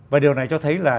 và điều này cho thấy là